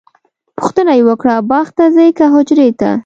پوښتنه یې وکړه باغ ته ځئ که حجرې ته؟